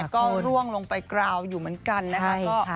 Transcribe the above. ก็ร่วงลงไปกราวอยู่เหมือนกันนะคะ